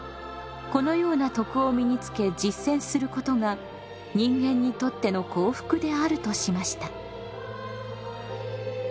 このような徳を身につけ実践することが人間にとっての幸福であるとしました。